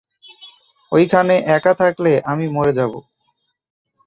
এইখানে একা থাকলে আমি মরে যাব।